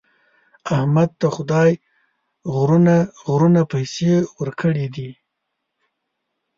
احمد ته خدای غرونه غرونه پیسې ورکړي دي.